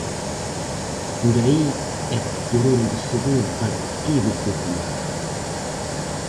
Por aí é por onde se ve o Partido Popular.